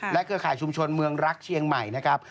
เครือข่ายชุมชนเมืองรักเชียงใหม่นะครับ